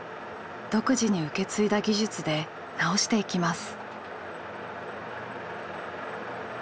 独自に受け継いだ技術で直していきます。